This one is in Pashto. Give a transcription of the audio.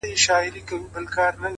زور او زير مي ستا په لاس کي وليدی-